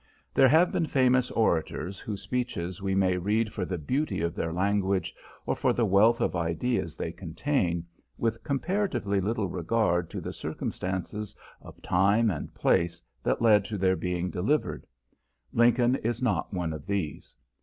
There have been famous orators whose speeches we may read for the beauty of their language or for the wealth of ideas they contain, with comparatively little regard to the circumstances of time and place that led to their being delivered. Lincoln is not one of these.